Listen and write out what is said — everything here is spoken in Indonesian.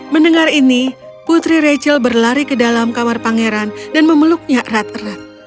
mendengar ini putri rachel berlari ke dalam kamar pangeran dan memeluknya erat erat